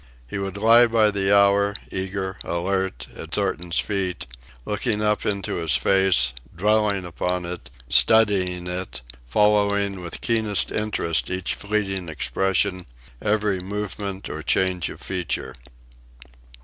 He would lie by the hour, eager, alert, at Thornton's feet, looking up into his face, dwelling upon it, studying it, following with keenest interest each fleeting expression, every movement or change of feature.